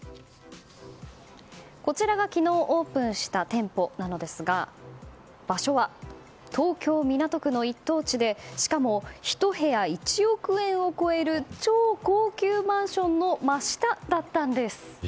こちらが昨日オープンした店舗なんですが場所は、東京・港区の一等地でしかも、１部屋１億円を超える超高級マンションの真下だったんです。